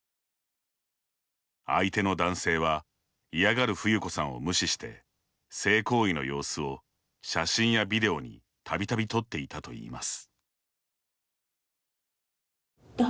相手の男性は、嫌がるふゆこさんを無視して性行為の様子を、写真やビデオにたびたび撮っていたといいます。